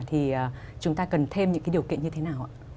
thì chúng ta cần thêm những cái điều kiện như thế nào ạ